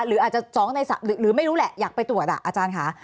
หรืออาจจะ๒ใน๓หรือไม่รู้แหละอยากไปตรวจอาจารย์ค่ะ